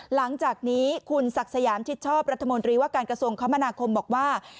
หลังจากนี้คุณศักดิ์สยามชิดชอบรัฐมนตรีว่าการกระทรวงคมนาคมบอกว่า